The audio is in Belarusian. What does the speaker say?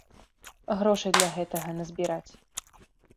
Грошай для гэтага назбіраць.